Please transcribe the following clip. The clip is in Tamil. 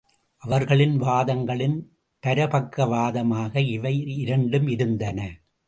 அவர்களின் வாதங்களின் பரபக்க வாதமாக இவை இரண்டும் இருந்தன.